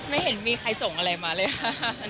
ไม่เห็นมีใครส่งอะไรมาเลยค่ะ